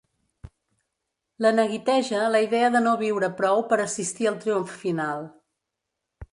La neguiteja la idea de no viure prou per assistir al triomf final.